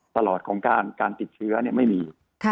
ตลอดของการติดเชื้อไม่มี